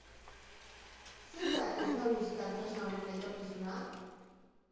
Zein da euskal musika tresna honen etorkizuna?